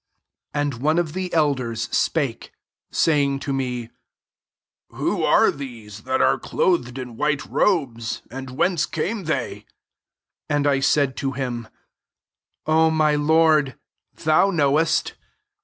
13 And one of the elders spake, saying to me, " Who are these that are clothed in white robes, and whence came they ?" 14 And I said to him, " O my lord, thou knowest."